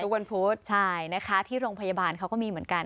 วันพุธใช่นะคะที่โรงพยาบาลเขาก็มีเหมือนกัน